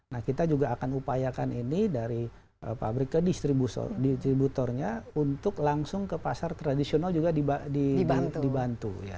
nah kita juga akan upayakan ini dari pabrik ke distributornya untuk langsung ke pasar tradisional juga dibantu